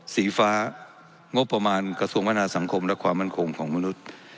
สีฟ้างบประมาณกระทรวงพัฒนาสังคมและความมั่นคงของมนุษย์